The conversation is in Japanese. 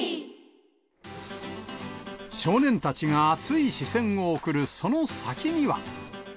少年たちが熱い視線を送るその先には。